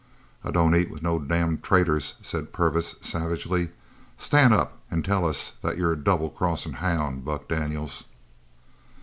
"I don't eat with no damned traitors," said Purvis savagely. "Stan' up an' tell us that you're a double crossin' houn', Buck Daniels!"